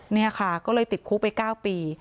นี่ค่ะก็เลยติดคุกไป๙ปี